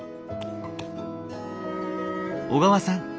小川さん